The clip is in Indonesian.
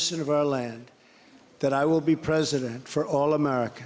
saya akan menjadi presiden untuk semua orang amerika